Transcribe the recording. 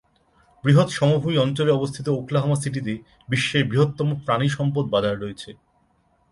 বৃহৎ সমভূমি অঞ্চলে অবস্থিত ওকলাহোমা সিটিতে বিশ্বের বৃহত্তম প্রাণিসম্পদ বাজার রয়েছে।